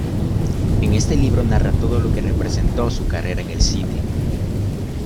En este libro narra todo lo que representó su carrera en el cine.